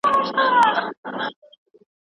نن بيا د هغې نامه